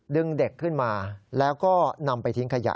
ดึงเด็กขึ้นมาแล้วก็นำไปทิ้งขยะ